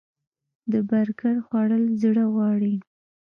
د برګر خوړل زړه غواړي